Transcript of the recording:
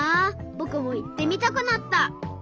ぼくもいってみたくなった。